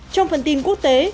trong phần tin quốc tế